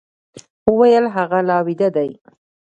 وويل هغه لا ويده دی.